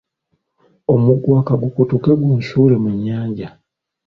Omuguwa kagukutuke gu nsuule mu nnyanja.